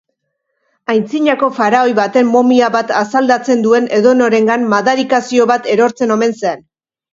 Aintzinako faraoi baten momia bat asaldatzen duen edonorengan madarikazio bat erortzen omen zen.